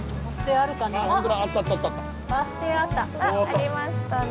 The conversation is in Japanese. ありましたね。